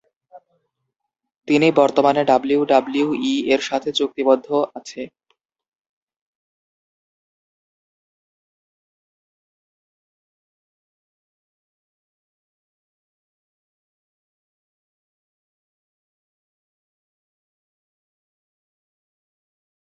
করিমপুর বিধানসভা কেন্দ্র মুর্শিদাবাদ লোকসভা কেন্দ্রের অন্তর্গত।